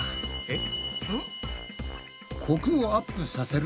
えっ？